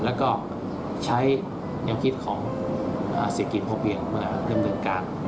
แล้วก็ใช้แนวคิดของเศรษฐกิจพ่อเพียงเมื่อเริ่มเดินการ